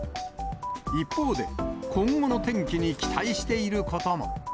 一方で、今後の天気に期待していることも。